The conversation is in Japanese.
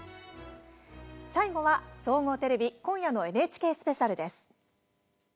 最後は、総合テレビ今夜のＮＨＫスペシャルです。